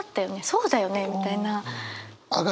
そうだよねみたいな。